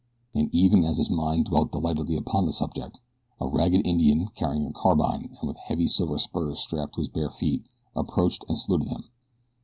And even as his mind dwelt delightedly upon the subject a ragged Indian carrying a carbine and with heavy silver spurs strapped to his bare feet approached and saluted him.